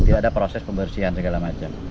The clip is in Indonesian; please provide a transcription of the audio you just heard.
itu ada proses pembersihan segala macam